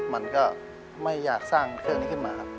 มันก็ไม่อยากสร้างเครื่องนี้ขึ้นมาครับ